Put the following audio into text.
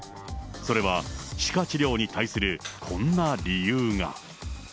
それは歯科治療に対するこんな理由が。